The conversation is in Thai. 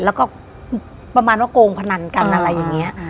แล้วก็ประมาณว่าโกงพนันกันอะไรอย่างนี้